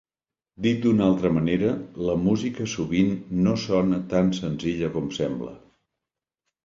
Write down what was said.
Dit d'una altra manera, la música sovint no sona tan senzilla com sembla.